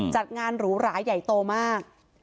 จัดงานหรูหราใหญ่โตมาก